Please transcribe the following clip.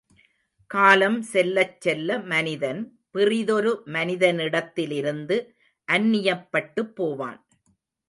காலம் செல்லச் செல்ல மனிதன், பிறிதொரு மனிதனிடத்திலிருந்து அந்நியப்பட்டுப்போவான்.